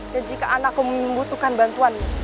dan jika anakku membutuhkan bantuanmu